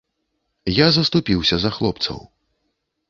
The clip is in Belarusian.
Я заступіўся за хлопцаў.